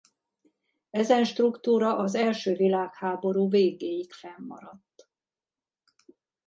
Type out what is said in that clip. Ezen struktúra az első világháború végéig fennmaradt.